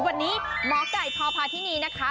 วันนี้หมอไก่พพาธินีนะคะ